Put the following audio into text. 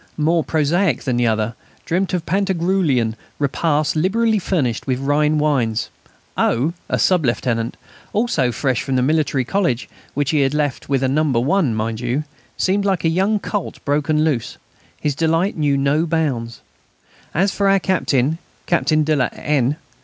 more prosaic than the other, dreamt of Pantagruelian repasts liberally furnished with Rhine wines. O., a sub lieutenant, just fresh from the Military College which he had left with a No. 1, mind you seemed like a young colt broken loose; his delight knew no bounds. As for our captain, Captain de la N.